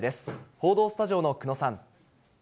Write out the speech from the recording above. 報道スタジオの久野さん。